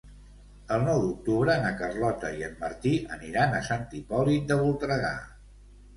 El nou d'octubre na Carlota i en Martí aniran a Sant Hipòlit de Voltregà.